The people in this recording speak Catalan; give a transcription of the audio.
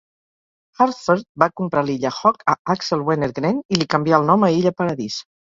Hartford va comprar l'illa Hog a Axel Wenner-Gren i li canvià el nom a illa Paradís.